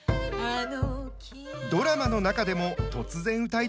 ドラマの中でも突然歌いだす２人。